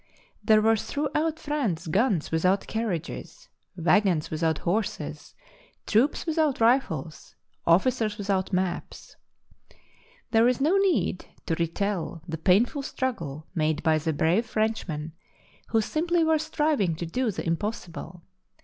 There were throughout' France guns without carriages, waggons without horses, troops without rifles, officers without maps. There is no need to retell the painful struggle made by the brave Frenchmen, who simply were striving to do the impossible.